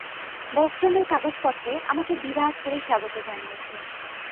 বষ্টনের কাগজপত্রে আমাকে বিরাট করে স্বাগত জানিয়েছে।